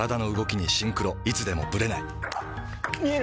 いつでもブレない見える！